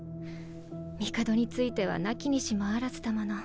帝についてはなきにしもあらずだもの。